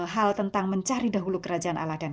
hal tentang mencari dahulu kerajaan allah dan